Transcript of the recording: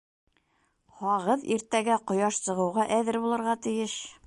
Һағыҙ иртәгә ҡояш сығыуға әҙер булырға тейеш!